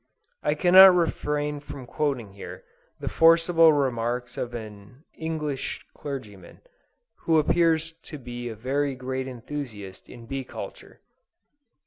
I cannot refrain from quoting here, the forcible remarks of an English clergyman, who appears to be a very great enthusiast in bee culture.